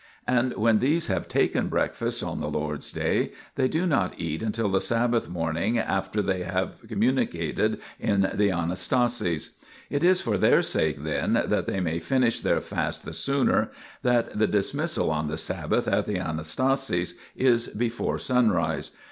And when these have taken breakfast on the Lord's Day, they do not eat until the Sabbath morning after they have com municated in the Anastasis. It is for their sake, then, that they may finish their fast the sooner, that the dismissal on the Sabbath at the Anastasis is before sunrise.